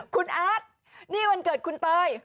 คุณอาร์ตนี่วันเกิดคุณเตย